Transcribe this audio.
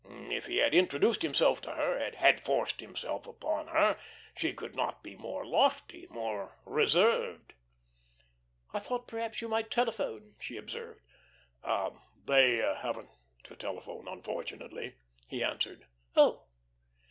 If he had introduced himself to her, had forced himself upon her, she could not be more lofty, more reserved. "I thought perhaps you might telephone," she observed. "They haven't a telephone, unfortunately," he answered. "Oh!"